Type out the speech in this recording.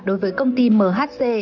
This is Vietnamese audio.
đối với công ty mhc